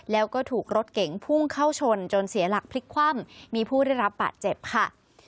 แล้วก็ถูกรถเก๋งพุ่งเข้าชนจนเสียหลักพลิกคว่ำมีผู้ได้รับบาดเจ็บค่ะ